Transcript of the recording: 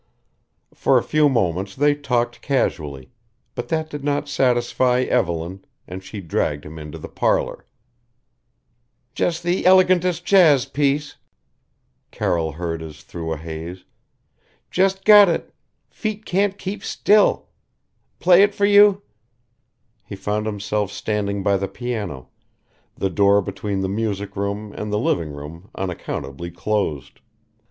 For a few moments they talked casually but that did not satisfy Evelyn, and she dragged him into the parlor " just the eleganest jazz piece " Carroll heard as through a haze " just got it feet can't keep still play it for you " He found himself standing by the piano, the door between the music room and the living room unaccountably closed.